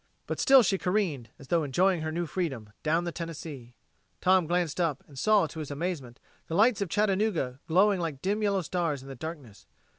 But still she careened, as though enjoying her new freedom, down the Tennessee. Tom glanced up, and saw, to his amazement, the lights of Chattanooga glowing like dim yellow stars in the darkness.